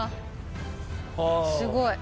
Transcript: すごい。